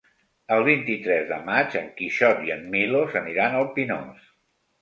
El vint-i-tres de maig en Quixot i en Milos aniran al Pinós.